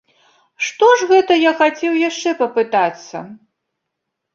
Што ж гэта я хацеў яшчэ папытацца?